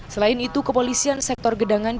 selain itu kepolisian sektor gedangan